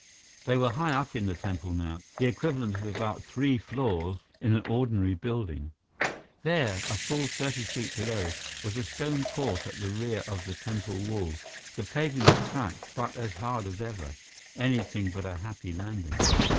They were high up in the temple now, the equivalent of about three floors in an ordinary building. There, a full thirty feet below, was a stone court at the rear of the temple wall. The paving was cracked, but as hard as ever anything but a happy landing.